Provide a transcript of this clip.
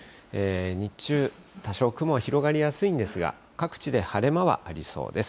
日中、多少雲は広がりやすいんですが、各地で晴れ間はありそうです。